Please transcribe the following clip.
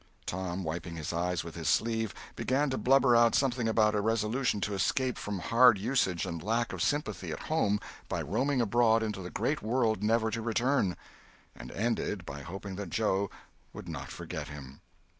Tom, wiping his eyes with his sleeve, began to blubber out something about a resolution to escape from hard usage and lack of sympathy at home by roaming abroad into the great world never to return; and ended by hoping that Joe would not forget him.